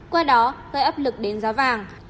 qua đó gây áp lực đến giá vàng